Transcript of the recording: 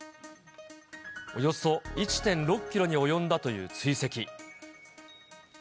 およそ１．６キロに及んだという追跡。